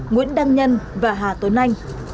nguyễn đăng nhân và hà tôn anh